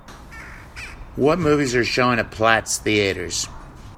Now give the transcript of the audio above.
What movies are showing at Plitt Theatres.